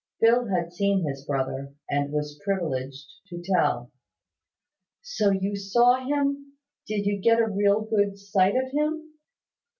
Phil had seen his brother, and was privileged to tell. "So you saw him! Did you get a real good sight of him?"